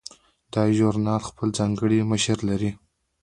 دا ژورنال خپل ځانګړی مشر لري.